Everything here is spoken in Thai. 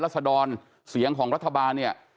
สดรเสียงของรัฐบาลเนี่ย